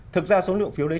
thực ra số liệu phiếu đấy